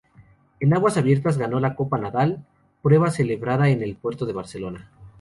En aguas abiertas ganó la Copa Nadal, prueba celebrada en el Puerto de Barcelona.